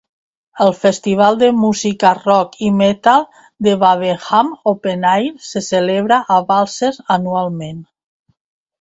El festival de música rock i metal de Wavejam Openair se celebra a Balzers anualment.